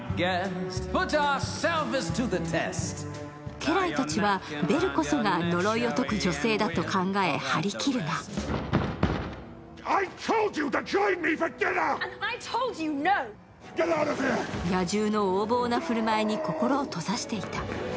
家来たちはベルこそが呪いを解く女性だと張りきるが野獣の横暴な振る舞いに心を閉ざしていた。